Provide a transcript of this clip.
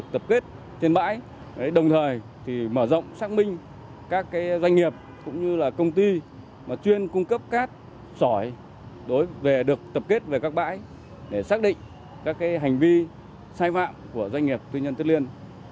tập kết trên bãi đồng thời thì mở rộng xác minh các doanh nghiệp cũng như là công ty mà chuyên cung cấp cát sòi đối với được tập kết về các bãi để xác định các hành vi sai phạm của doanh nghiệp tuyên nhân tuyên liên